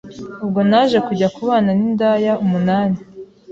Ubwo naje kujya kubana n’indaya umunani